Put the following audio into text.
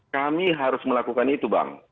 kami harus melakukan itu bang